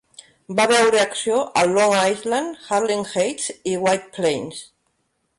Va veure acció a Long Island, Harlem Heights i White Plains.